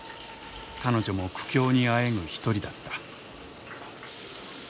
彼女も苦境にあえぐ一人だった。